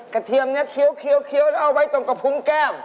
เทียมนี้เคี้ยวแล้วเอาไว้ตรงกระพุงแก้ว